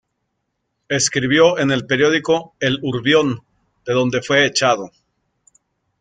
Escribió en el periódico "El Urbión", de donde fue echado.